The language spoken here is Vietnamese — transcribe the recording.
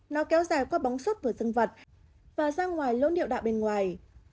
nó kéo dài qua bóng xốp của dân vật và ra ngoài lỗ niệu đạo bên ngoài